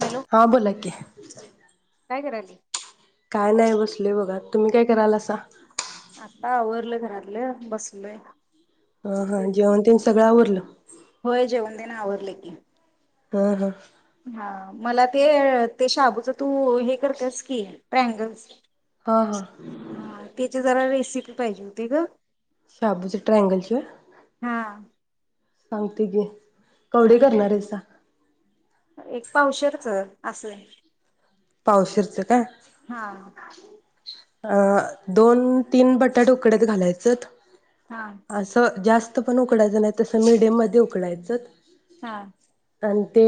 Hello हा बोला की काय कराली? काय नाही बसलोय बघा. तुम्ही काय करालासा? आता आवरवरलं घरातलं बसलोय. अ हं जेवण तेन सगळं अवरल? होय जेवण तेन आवरल की. अ हं हा मला ते ते शाबूचं तू हे करतेस की ट्रँगलस हा हा हा तेचि जरा वे सिपी पाहिजे होती ग. शाबूचे ट्रँगलची होय? हा सांगते की हा कवडे करणार आहेसा एक पावशरच. आसं पावशेरचं काय हा अ दोन तीन बटाट उकडत घालायचत. हा अस जास्त जास्त पण उकडायचं नाही तसं मिडियम मध्ये उकडायचंत. हा आणि ते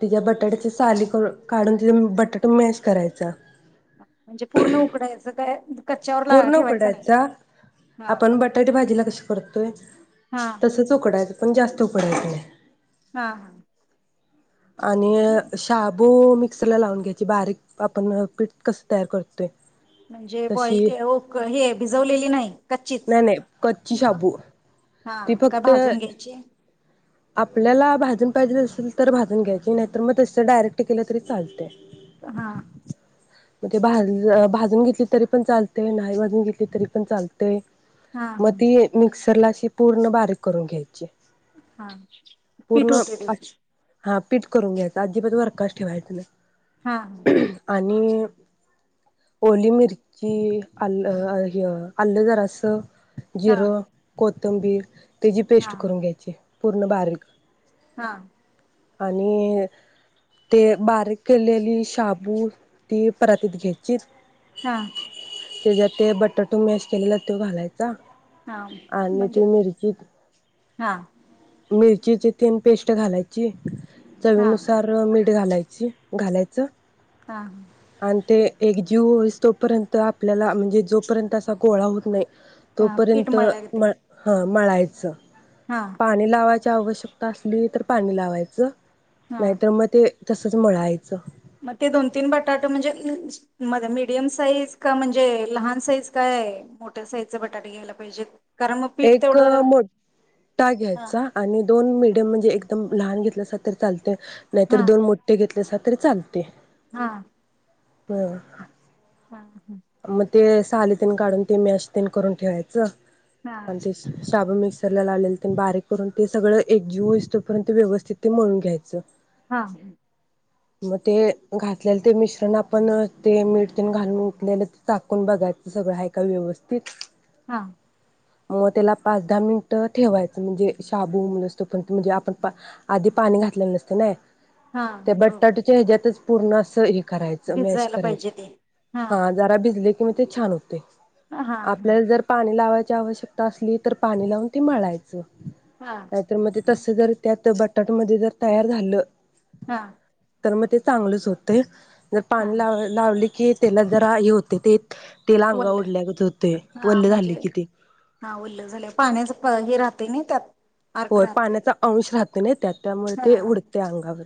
तिच्या बटाट्याची साली काढून ति बटाटा मॅश करायचा. म्हणजे पूर्ण उकडायचं काय कच्च्यावर ला पूर्ण ठेवायचं नाही. उकडायचा. हा आपण बटाटे भाजीला कशी करतोय हा तसच उकडायच पण जास्त उकडायचा नाही. हा हा आणि शा बु मिक्सरला लावून घ्यायची बारीक आपण पीठ कसं तयार करतोय. म्हणजे बॉइल के ओक हे भिजवलेली नाही. कच्चीच. नाय नाय कच्ची मग शाबू हा ती काय फक्त भाजून घ्यायची आपल्याला भाजून पाहिजे असेल तर भाजून घ्यायची नाहीतर मग तस डायरेक्ट केलं तरी चालतंय. हा म्हणजे भाज भाजून घेतली तरी पण चालतंय नाही भाजून घेतली तरी पण चालतंय हा हा म ती मिक्सरला अशी पूर्ण बारीक करून घ्यायची. हा पीठ पूर्ण होतय त्याज हा पीठ करून घ्यायचं अजिबात वरकाश ठेवायचं नाय. हा ह आणि ओली मिरची आलं हे आलं जरास हा जिर कोत तंबीर तेजी हा पेस्ट करून घ्यायची. पूर्ण बारीक हा आणि ते बारीक केलेली शाबू ती परातीत घ्यायची हा त्याज्यात ते बटट तो मॅश केलेला त्यो घालायचा हा आणि म्हणजे ती मिरची हा मिरचीची तीन पेस्ट घालायची हा चवीनुसार मीठ घालायची घालायचं हा आणि ते एक जीव होईस तोपर्यंत आपल्याला म्हण ते जोपर्यंत असा गोळा होत नाही हा पीठ तोपर्यंत मळल्या गत मळ आहे. हा मळायचं हा पाणी लावायची आवश्यकता असली तर पाणी लावायचं नाहीतर मग ते तसंच मळायचं म ते दोन तीन बटाट म्हणजे मध्य मीडियम साईज का म्हणजे लहान साईज काय मोठ्या साईजचा बटाटे घ्यायला पाहिजेट. एक मोटा हा घ्यायचा आणि दोन मिड म्हणजे एकदम लहान घेतलासा तरी चालतय नाहीतर हा दोन मोट्ठे घेतलेसा तरी चालते. हा [inaudible] हा ह मग ते सालीतीन काढून ते मॅश तेन करून ठेवायचं हा आणि ते साबू मि मिक्सरला लावंलेले तेन बारीक करून ते सगळं एकजीव होईस तोपर्यंत ते व्यवस्थित ते मळून घ्यायचं. हा म ते घातल्यालं ते मिश्रण आपण ते मीठ तेन घालून उठलेलं चाकून बघायचं सगळं हाय का व्यवस्थित हा म त्याला पाच दहा मिनिट ठेवायचं म्हणजे शाबू [unintelligible] तोपर्यंत म्हणजे आपण आधी पाणी घातलेलं नसतय नाय हा ते बरोबर बटाट्याच्या हेज्यातच पुरणासइ करायच मॅश भिजायला करायच पाहिजे ते हा भिजलय की म ते छान होतय. हा हा आपल्याला जर पाणी लावाय ची आवश्यकता असली तर पाणी लावून ती मळायचं. हा नाहीतर म ते तस जर त्यात बटाट मध्ये जर तयार झालं हा तर म ते चांगलंच होतय. जर हा पाणी लाव लावली की तेला ज रा हे होतय ते तेल अंगा वल्ल ओढल्यागत होतय हा वल्ल म्हणजे झाल की ते प हे राहतय ना त्यात अर्क होय राहतय पाण्याचा अंश राहत नाय त्यात त्यामुळे हा ते उडतय अंगावर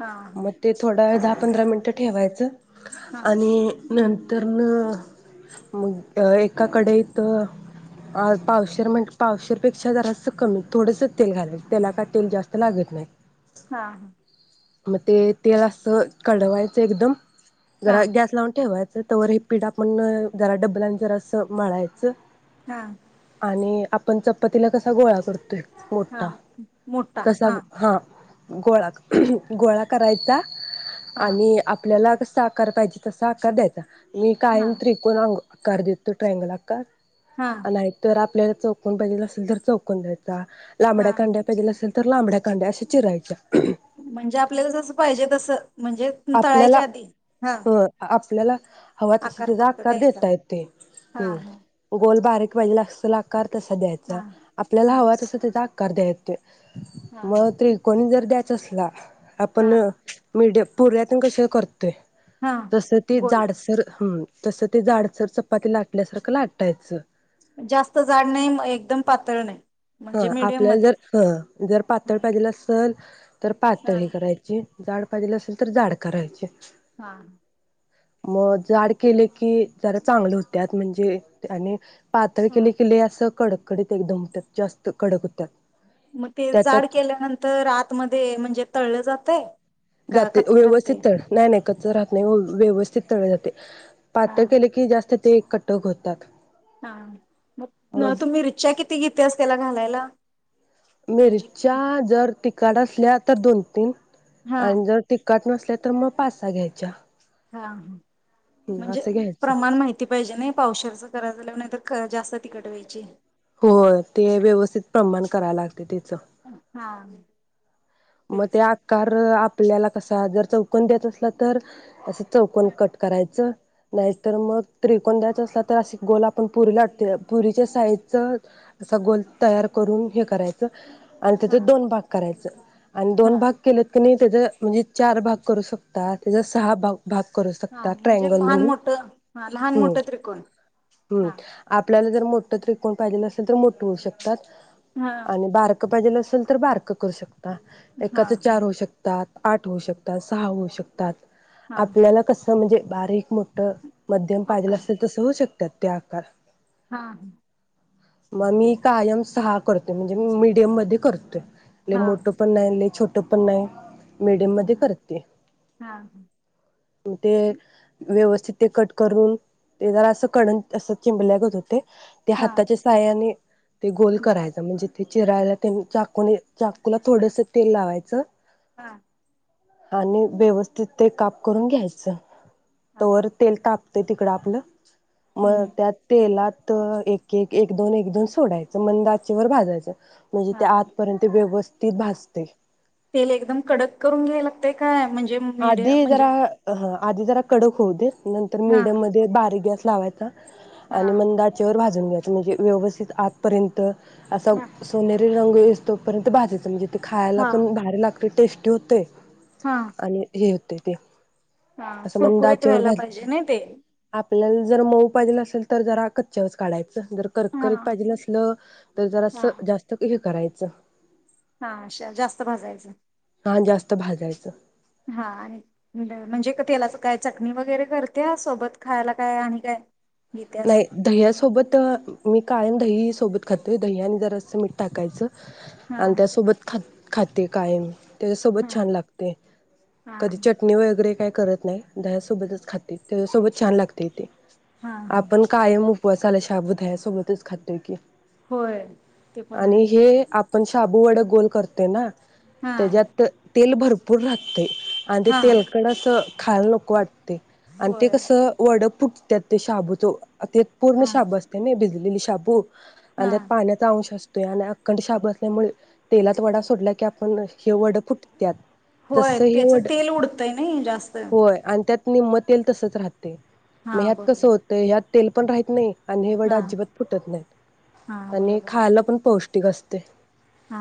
हा म ते थोडावेळ दा पंधरा मिनिटं ठेवायचं हा आणि नंतर न मग एका कढईत पावशर म्हण पावशरपेक्षा जरास कमी थोडस तेल घालाय त्याला का तेल जास्त लागत नाही. हा हा म ते तेल असं कडवायचं एकदम हा जरा गॅस लावून ठेवा तवर हे पीठ आपण जरा डबल जरा असं मळायचं हा आणि आपण चप पतीला कसा गोळा करतोय हा मोठा तसा हा गोळा गोळा करायचा हा आणि आपल्याला आकार पाहिजे तसा आकार द्यायचा. मी हा कायम त्रिकोण आकार देतो ट्रॅगल आकार हा नाही तरर आपल्या चौकन पायजेल असेल तर चौकन द्याय हा लांबड्या कांड्या कधी नसल तर लांबड्या कांडे अशा चिरायच्या म्हणजे आप आपल्याला जसं पाहिजे तसं म्हणजे आपल्याला तळायच्या आधी हा हो आपल्याला हवा तस त्याचा फक्त आकार द्यायचा देता येतोय हा हम्म गोल बारीक वळल असा आकार तसा द्यायचा हा आपल्याला हा हवा तसा त्याचा आका आकार द्या हा मग त्रिकोणी जर द्या तसला हा आपण मीडियम पुऱ्या त्यांन कशा करतोय? हा तस ते गोल जाडसर ह तस ते हा जाडसर चपाती ला आपल्यासारखं लाटायचं जास्त झाड नाही एकदम पातळ नाही हा म्हणजे मीडियम आपल्याला मध्ये जर ह जर पातळ हा पाहिजेला असल तर हा पातळ ह करायची जाड पाहिजेलं असेल तर जाड करायचे हा मग जाड केले की जरा चांगले होतत म्हणजे आणि पातळ हा केले केिली असं कडक कडक एकदम त्यात जास्त कडक व्हत्यात म ते जाड केल्यानंतर आातमध्ये म्हणजे तळलं जातय का जाते कच्च व्यवस्थित राहतय तळ नाय नाय कच राहत नाही व व्यवस्थित तळल जातय. हा पातळ केले की जास्त ते कटक होतात. हा मग तु मीरच्च्या किती घेतेस त्याला घालायला? म्हणजे मिरच्या जर ति काट असल्या तर दोन तीन हा आणि जर तिकट नस त्या तर म पाच सा घ्यायच्या हा म्हणजे असं घ्यायचं प्रमाण माहिती पाहिजे नय पावशेर च कराल्या जायल्यावर नायतर जास्त तिकट व्हायची. होय ते व्यवस्थित प्रमाण कराय लाग हा म ते तेच आकार आप आपल्याला कसा जर चौकोन द्यायचा असला तर अस चौकोण कट करायचं नाय तर म त्रिकोण द्यायच असला तर अस गोल आपण पुरी लाटतोया पुरीच्या साइजच असा गोल तयार करून हे करायचं. आणि हा त्याच दोन भाग करायच. आणि दोन हा भाग केलत कनी त्याज म्हणजे चार भाग करू शकता त्याचा सहा भाग भाग करू हा शकता म्हणजे ट्रँगल लहान म्हणून मोठं हा लहान हूं मोठं त्रिकोण हूं हा आप आपल्याला जर मोठं त्रिकोण पाहिजेल असेल तर मोठ होऊ शकतात. हा आणि बारक पाहिजेल अस ल तर बारकं करू शकता. हा एकाच चार होऊ शकतात. आठ होऊ शकतात सहा होऊ शकतात. हा आपल्याला कस असं म्हणजे बारीक मोठं मध्यम पाहिजलं आकार असेल तसं होऊ शकतात त्या आकार हा म मी तेच कायम सहा करते म्हणजे ते मी मीडियम मध्ये करतोय लय हा मोठ पण नाही छोट पन नाही मीडियम मध्ये हा करते हां ते व्यवस्थित ते कट करून ते जरा असं कडण अस चिंबल्यागत होतय त्या हां हाताच्या साहाय्याने ते गोल बरं करायचा म्हणजे ते चिरायला तेन चाकूनी चाकूला थोडसे तेल तेल लावायचं हा आणि व्यवस्थित ते काप करून घ्यायचं हां तोवर तेल ताप ते तिकडं आपलं मग त्या तेलात तर एक एक दोन एक दोन सोडायचं मंद आचीवर भाजायचं म्हणजे त्या हां आतपर्यंत व्यवस्थित भाज तेल एकदम कडक करून घ्यायला ते काय म्हंजे आधी जरा हा आधी जरा कडक होऊ दे नंतर हां मिडीयम मध्ये बारीक गॅस लावायचा आणि हां मंद आचेवर भाजून जमलेत म्हणजे व्यवस्थित आतपर्यंत आसा बर सोनेरी रंग येईस तोपर्यंत भाजायच म्हणजे ते खायला पण भारी लाग ते टेस्टी होते हा आणि हे होते ते हा असं मंद कुरकुरीत आचेवर व्हायला पाहिजे भाज नई ते आपल्याला जर मऊ पाहिजेलं असेल तर जरा कच्च्या वच काढाचं जर हां करकरीत पाहिजेल असल तर जरा स जास्त करायचं हा जास्त भाजायचं हा जास्त भाजायचं हा आणि म्हणजे त्यालाच काय चटणी वगैरे वगैरे करते सोबत खायला काय आणि काय घेत्यास नाही दह्या सोबत मी कायम दही सोबत खातोय दही आणि जरा असं मीठ टाकायचं आणि हां त्यासोबत ख खाते कायम त्याच्यासोबत हां छान लागते हां कधी हां चटणी वगैरे काय करत नाही दह्या सोबतच खाते त्या सोबत छान लागते ते हा आपण कायम उपवासाला शाबु दहया सोबतच खातोय कि होय ते पण आहे पण शाबू वड गोल करतो ना हां त्याच्यात तेल भरपूर भरपूर लागतंय आणि हां तेलकट असं खायला नको वाटतं आणि ते होय कसं वड फुटत्यात ते शाबुत तो ते पूर्ण हां शाबू असते ना भिजले लिली शाबु आणि हा त्यात पाण्याचा अंश असतो आणि अखंड शाबू असल्यामुळे तेलात वडा सोडला की आपण हे वड फुटतात होय त्याचं तेल उडतंय नई जास्त निम्मा तेल तसेच राहत ते मग हां ह्यात कसं हो बरोबर हयात तेल पण राहत नाही आणि हे वड हां अजिबात फुटत नाहीत हां आणि खायला पण पौष्टिक पौष्टिक असतय हा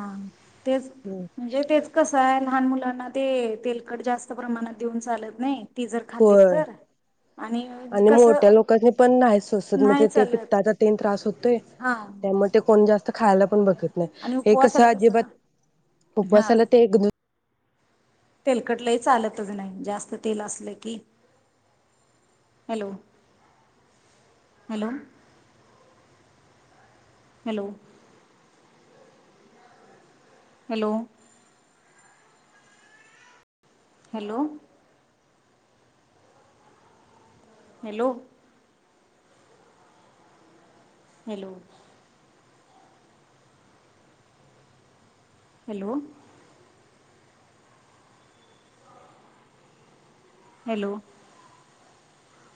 तेच हम्म म्हणजे तेच कसं आहे लहान मुलांना ते तेलकट जास्त प्रमाणात देऊन चालत नाही ती जर होय खाल्लीत तर आणि मोठ्या लोकांनी पण नाही सोसत नाही म्हणजे ते चालत पित्ताचा तेन त्रास होतोय हां त्यामुळे ते कोण जास्त तर खायला पण बघत आणि हे कसं उपवासाला अजिबात हां उपवासाला ते एक तेलकट लई चालतच नाही जास्त तेल असलं की hello hello hello hello hello hello hello hello hello